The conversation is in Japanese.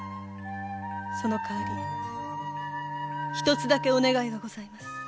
そのかわり一つだけお願いがございます。